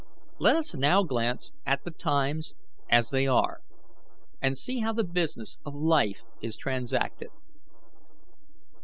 "Let us now glance at the times as they are, and see how the business of life is transacted.